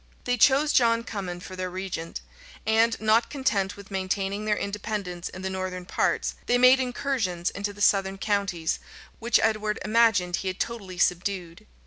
They chose John Cummin for their regent; and, not content with maintaining their independence in the northern parts, they made incursions into the southern counties, which Edward imagined he had totally subdued.